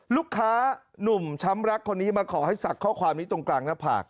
ลูกค้านุ่มช้ำรักคนนี้มาขอให้ศักดิ์ข้อความนี้ตรงกลางหน้าผาก